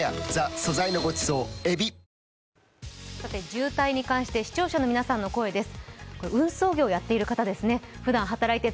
渋滞に関して視聴者の皆さんの声です。